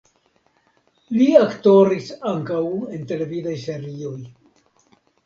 Li aktoris ankaŭ en televidaj serioj.